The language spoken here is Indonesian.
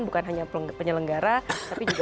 bukan hanya penyelenggara tapi juga